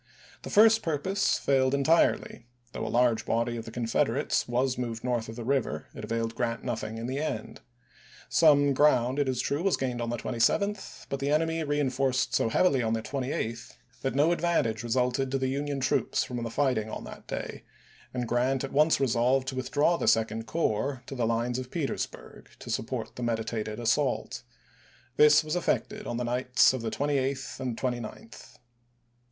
The first purpose failed entirely ; though a large body of the Confederates was moved north of the river it availed Grant nothing in the end. Some ground, it is true, was gained on the 27th; but the enemy juiy.ise*. reenforced so heavily on the 28th that no advan 422 ABRAHAM LINCOLN ch. xvni. tage resulted to the Union troops from the fight ing on that day, and Grant at once resolved to withdraw the Second Corps to the lines of Peters burg, to support the meditated assault. This was juiy, 1864. effected on the nights of the 28th and 29th.